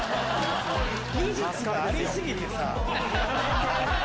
技術があり過ぎてさ。